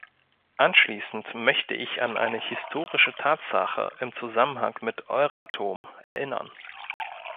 Abschließend möchte ich an eine historische Tatsache im Zusammenhang mit Euratom erinnern.